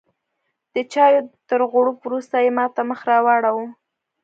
د چایو تر غوړپ وروسته یې ماته مخ راواړوه.